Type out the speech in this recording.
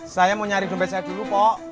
saya mau nyari dompet saya dulu kok